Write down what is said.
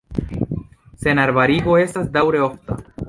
Senarbarigo estas daŭre ofta.